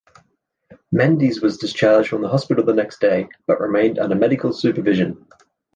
Mendes was discharged from hospital the next day, but remained under medical supervision.